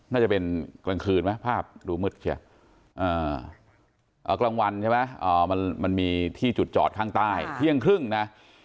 น่าจะเป็นกลางคืนไหมภาพดูมืดใช่ไหมกลางวันใช่ไหมมันมีที่จุดจอดข้างใต้เที่ยงครึ่งนะ